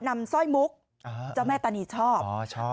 สร้อยมุกเจ้าแม่ตานีชอบ